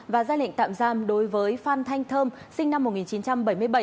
và ra lệnh tạm giam đối với phan thanh thơm sinh năm một nghìn chín trăm bảy mươi bảy